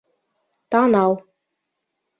Танау